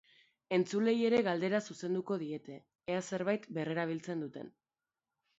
Entzuleei ere galdera zuzenduko diete, ea zerbait berrerabiltzen duten.